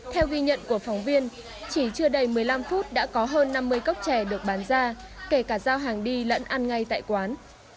theo ghi nhận của phóng viên chỉ chưa đầy một mươi năm phút đã có hơn năm mươi cốc chè được bán ra kể cả giao hàng đi lẫn ăn ngay tại quán